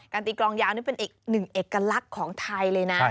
การตีกรองยาวนี่เป็น๑เอกลักษณ์ของไทยเลยนะ